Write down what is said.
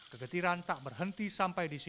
kegetiran tak berhenti sampai di sini